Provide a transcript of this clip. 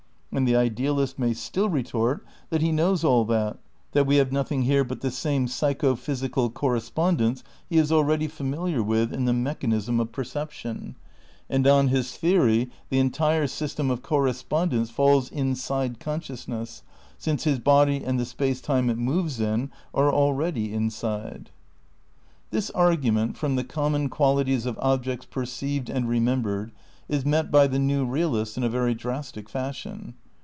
And the idealist may still retort that he knows all that ; that we have nothing here but the same psycho physical correspondence he is already familiar with in the mechanism of perception ; and on his theory the entire system of correspondence falls inside con sciousness, since his body and the space time it moves in are already inside. 24 THE NEW IDEALISM n This argTiment, from the coromon qualities of ob jects perceived and remembered, is met by the new realist in a very drastic fashion.